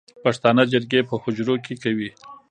پښتانه جرګې په حجرو کې کوي